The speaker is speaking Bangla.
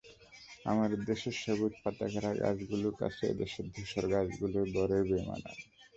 আমাদের দেশের সবুজ পাতাঘেরা গাছগুলোর কাছে এদেশের ধূসর গাছগুলো বড়ই বেমানান।